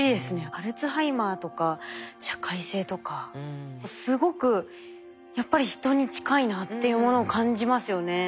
アルツハイマーとか社会性とかすごくやっぱりヒトに近いなっていうものを感じますよね。